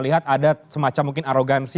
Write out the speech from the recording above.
lihat ada semacam mungkin arogansi